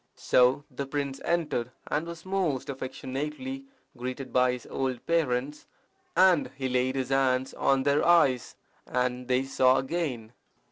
So the prince entered, and was most affectionately greeted by his old parents; and he laid his hands on their eyes, and they saw again.